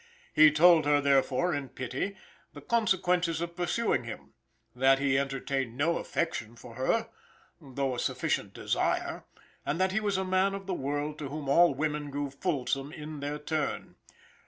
He told her therefore, in pity, the consequences of pursuing him; that he entertained no affection for her, though a sufficient desire, and that he was a man of the world to whom all women grew fulsome in their turn.